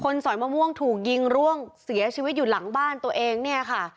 สอยมะม่วงถูกยิงร่วงเสียชีวิตอยู่หลังบ้านตัวเองเนี่ยค่ะ